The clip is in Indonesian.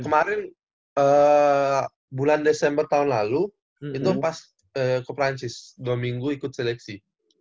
kemarin bulan desember tahun lalu itu pas ke perancis dua minggu ikut seleksi